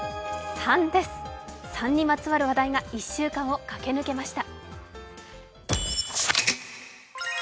３にまつわる話題が１週間を駆け抜けました。